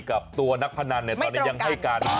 กับตัวนักพนันเนี่ยตอนนี้ยังให้การ